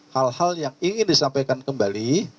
hal hal yang ingin disampaikan kembali